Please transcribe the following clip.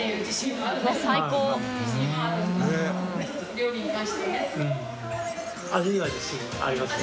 料理に関してはね。